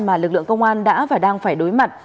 mà lực lượng công an đã và đang phải đối mặt